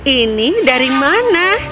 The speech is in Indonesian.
ini dari mana